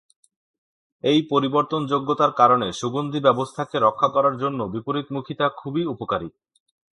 এই পরিবর্তনযোগ্যতার কারণে সুগন্ধি ব্যবস্থাকে রক্ষা করার জন্য বিপরীতমুখীতা খুবই উপকারী।